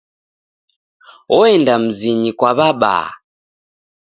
Oenda mzinyi kwa w'abaa.